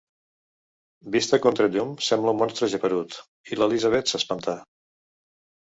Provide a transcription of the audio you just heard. Vist a contrallum, sembla un monstre geperut, i l'Elisabet s'espanta.